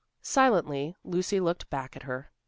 Silently Lucy looked back at her.